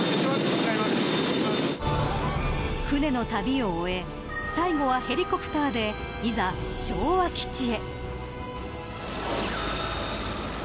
船の旅を終え最後はヘリコプターでいざ、昭和基地へ。